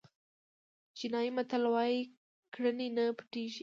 چینایي متل وایي کړنې نه پټېږي.